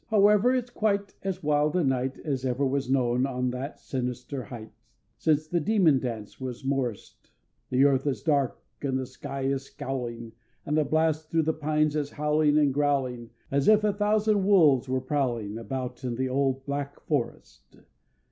However it's quite As wild a night As ever was known on that sinister height Since the Demon Dance was morriced The earth is dark, and the sky is scowling, And the blast through the pines is howling and growling, As if a thousand wolves were prowling About in the old BLACK FOREST!